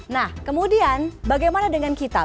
nah kemudian bagaimana dengan kita